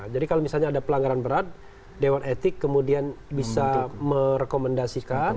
jadi kalau misalnya ada pelanggaran berat dewan etik kemudian bisa merekomendasikan